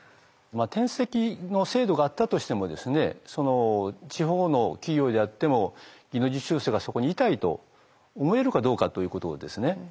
転籍の制度があったとしても地方の企業であっても技能実習生がそこにいたいと思えるかどうかということですね。